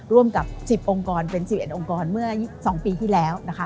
ร่วมกับ๑๐องค์กรเป็น๑๑องค์กรเมื่อ๒ปีที่แล้วนะคะ